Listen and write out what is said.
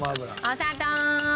お砂糖。